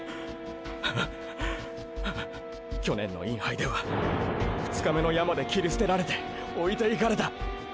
ハァハァ去年のインハイでは２日目の山で切り捨てられておいていかれた！！